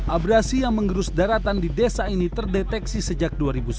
abrasi yang menggerus daratan di desa ini terdeteksi sejak dua ribu sepuluh